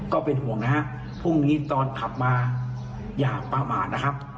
ก็เป็นห่วงนะฮะพรุ่งนี้ตอนขับมาอย่าประมาทนะครับ